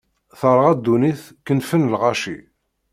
Terɣa ddunit, kenfen lɣaci.